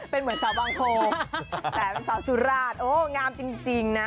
เป็นเหมือนเซาสวังโทมแต่เซาสุราชโอ้งามจริงนะ